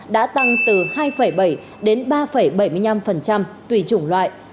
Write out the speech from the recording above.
đã tăng từ hai bảy đến ba bảy mươi năm tùy chủng loại